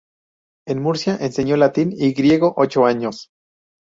En Murcia enseñó latín y griego ocho años.